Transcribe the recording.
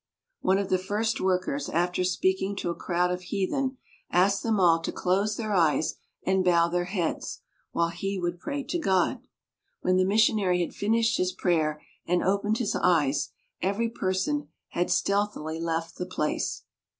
One of the first workers, after speak ing to a crowd of heathen, asked them all to close their eyes and bow their, heads while he would pray to God. When the mission ary had finished his prayer and opened his eyes, every person had stealthily left the place."